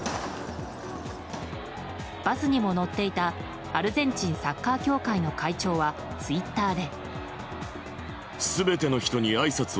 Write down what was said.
バスにも乗っていたアルゼンチンサッカー協会の会長はツイッターで。